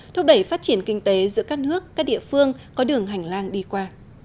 thúc đẩy phát triển kinh tế giữa các nước các địa phương có đường hành lang đi qua